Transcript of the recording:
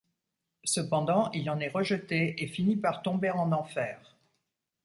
Cependant, il en est rejeté et fini par tomber en Enfer.